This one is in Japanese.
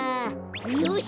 よし！